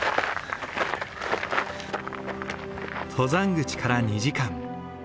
登山口から２時間。